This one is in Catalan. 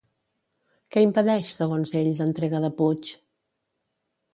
Què impedeix, segons ell, l'entrega de Puig?